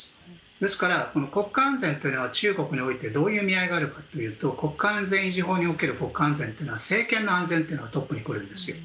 ですから、国家安全は中国においてどういう意味合いがあるかというと国家安全維持法における国家安全というのは政権の安全というのがトップに来るんです。